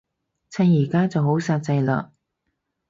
趁而家就好煞掣嘞